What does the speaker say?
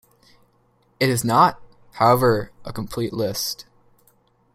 It is not, however, a complete list.